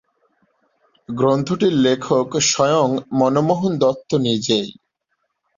গ্রন্থটির লেখক স্বয়ং মনমোহন দত্ত নিজেই।